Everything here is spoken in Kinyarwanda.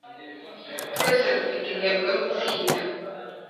Twese dufite intego yo gutsinda